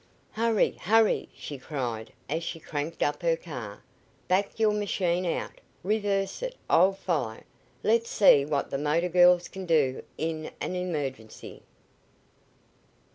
"Hurry! hurry!" she cried as she cranked up her car. "Back your machine out! Reverse it! I'll follow! Let's see what the motor girls can do in an emergency!"